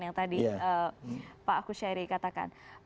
yang tadi pak kushairi katakan